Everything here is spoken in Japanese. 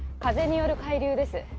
風による海流です